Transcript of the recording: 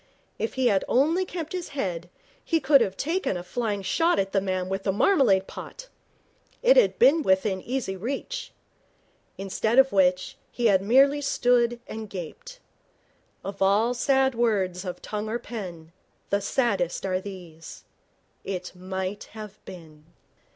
If he had only kept his head, he could have taken a flying shot at the man with the marmalade pot. It had been within easy reach. Instead of which, he had merely stood and gaped. Of all sad words of tongue or pen, the saddest are these, 'It might have been.'